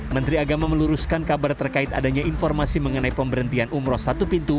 menteri agama meluruskan kabar terkait adanya informasi mengenai pemberhentian umroh satu pintu